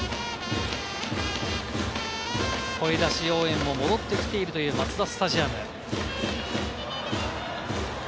声出し応援も戻ってきているというマツダスタジアム。